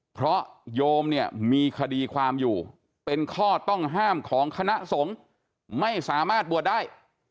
เพราะโยมเนี่ยมีคดีความอยู่เป็นข้อต้องห้ามของคณะสงฆ์ไม่สามารถบวชได้